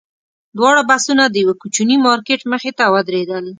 دواړه بسونه د یوه کوچني مارکېټ مخې ته ودرېدل.